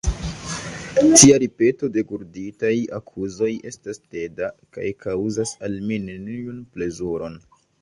Tia ripeto de gurditaj akuzoj estas teda, kaj kaŭzas al mi neniun plezuron.